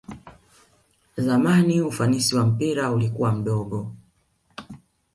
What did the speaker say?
zamani ufanisi wa mpira ulikua mdogo